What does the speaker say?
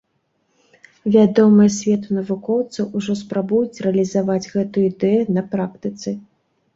Вядомыя свету навукоўцы ўжо спрабуюць рэалізаваць гэтую ідэю на практыцы.